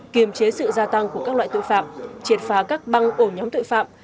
kiềm chế sự gia tăng của các loại tội phạm triệt phá các băng ổ nhóm tội phạm